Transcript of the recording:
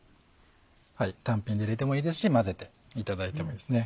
単品で入れてもいいですし混ぜていただいてもいいですね。